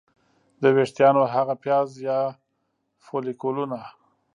د ویښتانو هغه پیاز یا فولیکولونه